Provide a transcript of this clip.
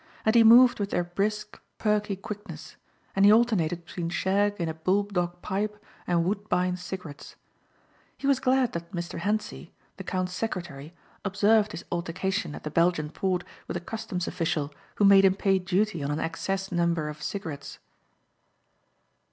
And he moved with their brisk, perky quickness and he alternated between shag in a bull dog pipe and Woodbine cigarettes. He was glad that Mr. Hentzi, the count's secretary observed his altercation at the Belgian port with a customs official who made him pay duty on an excess number of cigarettes.